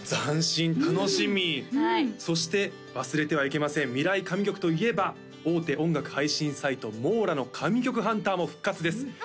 斬新楽しみそして忘れてはいけません未来神曲といえば大手音楽配信サイトｍｏｒａの神曲ハンターも復活です